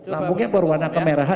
lambungnya berwarna kemerahan